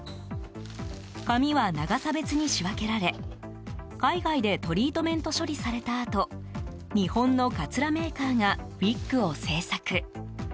髪は長さ別に仕分けられ海外でトリートメント処理されたあと日本のかつらメーカーがウィッグを製作。